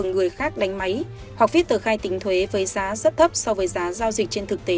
người khác đánh máy hoặc viết tờ khai tính thuế với giá rất thấp so với giá giao dịch trên thực tế